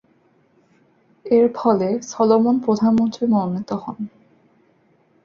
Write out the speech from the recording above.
এরফলে সলোমন প্রধানমন্ত্রী মনোনীত হন।